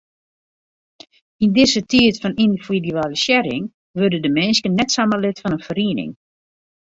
Yn dizze tiid fan yndividualisearring wurde de minsken net samar lid fan in feriening.